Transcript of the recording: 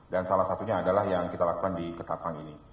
salah satunya adalah yang kita lakukan di ketapang ini